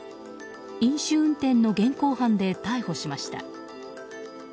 飲酒運転の現行犯で逮捕しました。